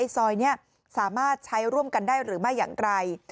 ซอยนี้สามารถใช้ร่วมกันได้หรือไม่อย่างไร